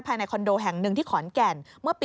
ภายในคอนโดแห่งหนึ่งที่ขอนแก่น